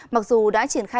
mặc dù đã triển kháng